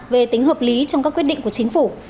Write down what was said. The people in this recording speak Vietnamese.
về tính hợp lý trong các quyết định của chính phủ